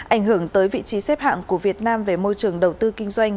ảnh hưởng tới vị trí xếp hạng của việt nam về môi trường đầu tư kinh doanh